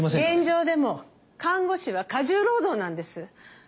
現状でも看護師は過重労働なんです。